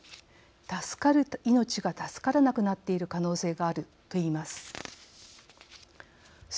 助かる命が助からなくなっている可能性がある」と言います。